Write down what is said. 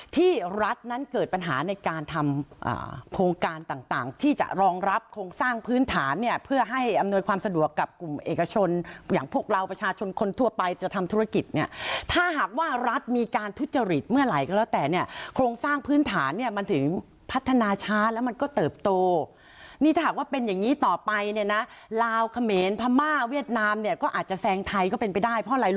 ที่รัฐนั้นเกิดปัญหาในการทำโครงการต่างที่จะรองรับโครงสร้างพื้นฐานเนี่ยเพื่อให้อำนวยความสะดวกกับกลุ่มเอกชนอย่างพวกเราประชาชนคนทั่วไปจะทำธุรกิจเนี่ยถ้าหากว่ารัฐมีการทุจริตเมื่อไหร่ก็แล้วแต่เนี่ยโครงสร้างพื้นฐานเนี่ยมันถึงพัฒนาช้าแล้วมันก็เติบโตนี่ถ้าหากว่าเป็นอย่างงี้